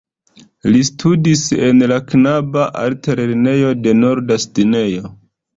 Li studis en la knaba altlernejo de Norda Sidnejo.